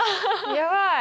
やばい。